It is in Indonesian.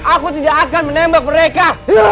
aku tidak akan menembak mereka